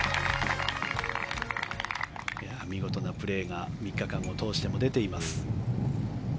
見事なプレーが３日間を通しても出ています。